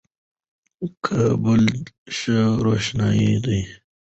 کابل ښه روښانه دی.